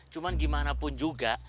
cuman gimana pun juga